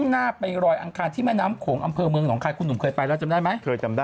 ในที่ทะวัดวัดบ้านไล้